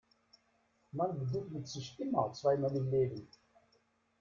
Man begegnet sich immer zweimal im Leben.